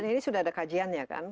ini sudah ada kajian ya kan